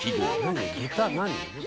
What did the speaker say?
何？